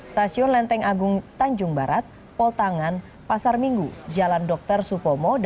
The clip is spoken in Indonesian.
stasiun lenteng agung tanjung barat pol tangan pasar minggu jalan dr supomo